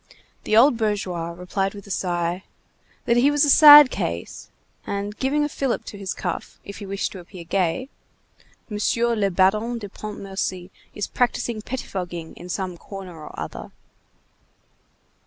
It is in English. The old bourgeois replied with a sigh, that he was a sad case, and giving a fillip to his cuff, if he wished to appear gay: "Monsieur le Baron de Pontmercy is practising pettifogging in some corner or other."